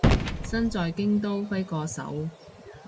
身在京都揮個手